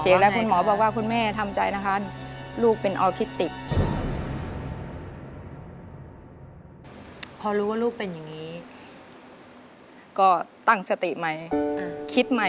เช็คแล้วคุณหมอบอกว่าคุณแม่ทำใจนะคะลูกเป็นออคิติก